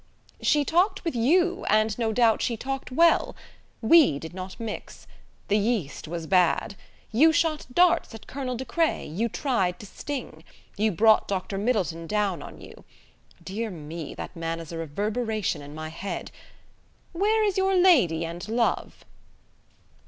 "She talked with you, and no doubt she talked well. We did not mix. The yeast was bad. You shot darts at Colonel De Craye: you tried to sting. You brought Dr. Middleton down on you. Dear me, that man is a reverberation in my head. Where is your lady and love?"